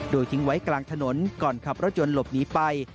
โดยทิ้งไว้กลางถนนก่อนขับรถยนต์หลบหนีไป